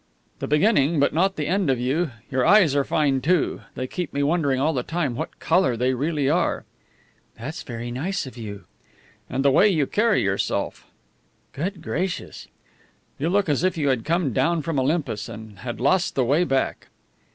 "The beginning, but not the end of you. Your eyes are fine, too. They keep me wondering all the time what colour they really are." "That's very nice of you." "And the way you carry yourself!" "Good gracious!" "You look as if you had come down from Olympus and had lost the way back."